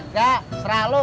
gak serah lu